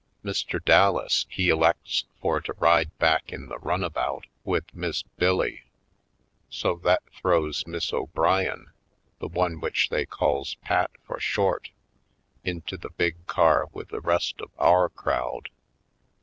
Mr. Dallas he elects for to ride back in the run about with Miss Bill Lee so that throws Miss O'Brien, the one which they calls Pat for short, into the big car with the rest of our crowd.